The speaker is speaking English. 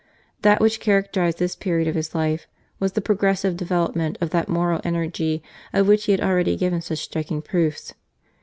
That which characterized this period of his life was the progressive develop ment of that moral energy of which he had already given such striking proofs.